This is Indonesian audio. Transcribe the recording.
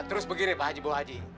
terus begini pak haji bawa haji